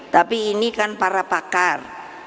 tapi ini kan para pakar